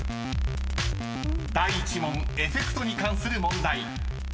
［第１問エフェクトに関する問題］